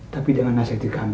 tapi jangan nasihati kami